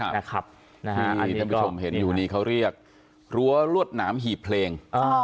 อันนี้ท่านผู้ชมเห็นอยู่นี้เขาเรียกรั้วรวดหนามหีบเพลง